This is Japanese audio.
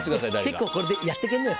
結構これでやっていけんのよ。